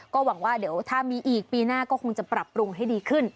ก็หวังว่าเดี๋ยวถ้ามีอีกปีหน้าก็คงจะปรับปรุงให้ดีขึ้น